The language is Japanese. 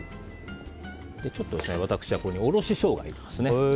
ちょっと私はおろしショウガを入れますね。